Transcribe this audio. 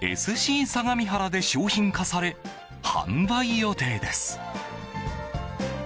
相模原で商品化され、販売予定です。